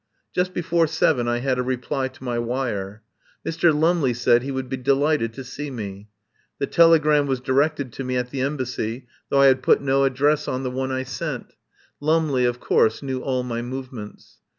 Just before seven I had a reply to my wire. Mr. Lumley said he would be delighted to see me. The telegram was directed to me at the Embassy, though I had put no address on 185 THE POWER HOUSE the one I sent. Lumley of course knew all my movements.